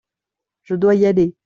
Je dois y aller.